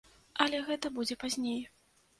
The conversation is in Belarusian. Але гэта будзе пазней.